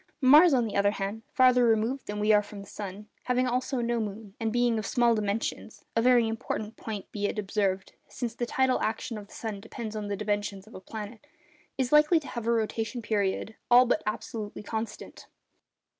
Mars, on the other hand, farther removed than we are from the sun, having also no moon, and being of small dimensions (a very important point, be it observed, since the tidal action of the sun depends on the dimensions of a planet), is likely to have a rotation period all but absolutely constant.